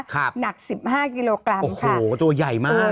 ครับหนัก๑๕กิโลกรัมค่ะโอ้โฮตัวใหญ่มาก